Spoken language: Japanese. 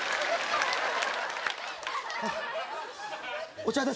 お茶です。